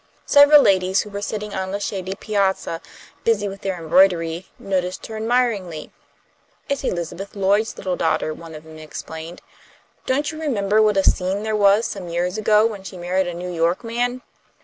Several ladies who were sitting on the shady piazza, busy with their embroidery, noticed her admiringly. "It's Elizabeth Lloyd's little daughter," one of them explained. "Don't you remember what a scene there was some years ago when she married a New York man?